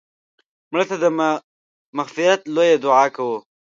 مړه ته د مغفرت لویه دعا کوو